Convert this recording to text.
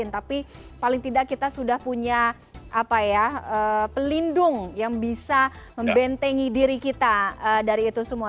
tapi paling tidak kita sudah punya pelindung yang bisa membentengi diri kita dari itu semua